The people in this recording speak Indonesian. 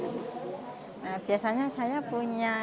nah biasanya saya punya